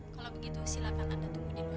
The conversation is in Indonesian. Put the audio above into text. kalau begitu silahkan anda tunggu di luar